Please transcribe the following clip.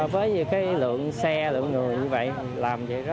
với cái lượng xe lượng người như vậy làm vậy rất là nhiều